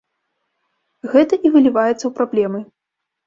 Гэта і выліваецца ў праблемы.